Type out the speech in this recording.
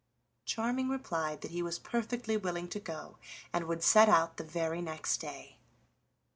Charming replied that he was perfectly willing to go, and would set out the very next day.